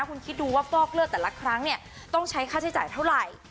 คุณคิดดูว่าฟอกเลือดแต่ละครั้งเนี่ยต้องใช้ค่าใช้จ่ายเท่าไหร่